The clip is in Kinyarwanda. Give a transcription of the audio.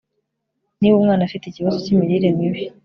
niba umwana afite ikibazo cy'imirire mibi